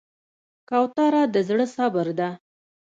کوتره د زړه صبر ده.